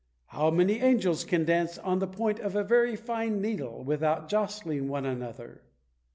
How many angels can dance on the point of a very fine needle, without jostling one another?